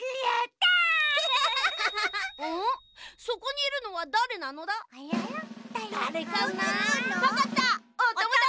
そこにいるのはだれなのだ？